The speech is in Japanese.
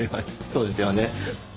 そうですよね。